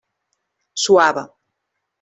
Suava.